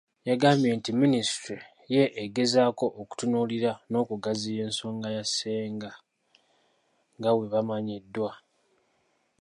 Yagambye nti minisitule ye egezaako okutunuulira n'okugaziya ensonga ya Ssenga nga bwemanyiddwa .